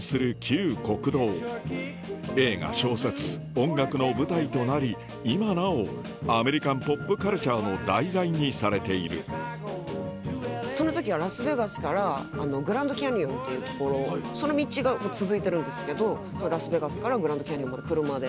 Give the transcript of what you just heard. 音楽の舞台となり今なおアメリカンポップカルチャーの題材にされているその時はラスベガスからグランドキャニオンっていう所その道が続いてるんですけどラスベガスからグランドキャニオンまで車で。